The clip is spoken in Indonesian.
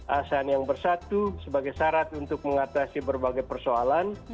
asahan yang bersatu sebagai syarat untuk mengatasi berbagai persoalan